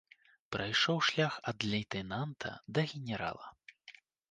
Прайшоў шлях ад лейтэнанта да генерала.